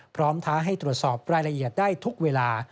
ท้าให้ตรวจสอบรายละเอียดได้ทุกเวลา